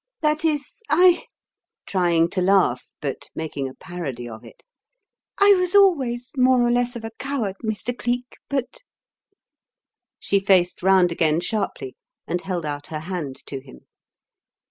That is I " trying to laugh, but making a parody of it "I was always more or less of a coward, Mr. Cleek, but ..." She faced round again sharply and held out her hand to him.